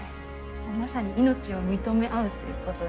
まさに命を認め合うということ。